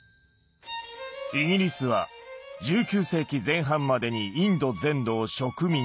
イギリスは１９世紀前半までにインド全土を植民地化。